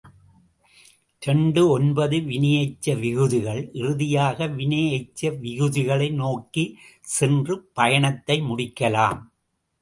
இரண்டு ஒன்பது வினையெச்ச விகுதிகள் இறுதியாக வினையெச்ச விகுதிகளை நோக்கிச் சென்று பயணத்தை முடிக்கலாம்.